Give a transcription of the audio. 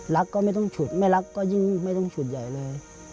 ก็ไม่ต้องฉุดไม่รักก็ยิ่งไม่ต้องฉุดใหญ่เลย